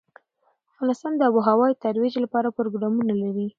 افغانستان د آب وهوا د ترویج لپاره پروګرامونه لري.